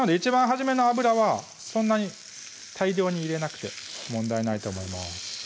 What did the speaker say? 初めの脂はそんなに大量に入れなくて問題ないと思います